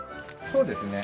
そうですね。